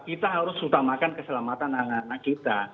kita harus utamakan keselamatan anak anak kita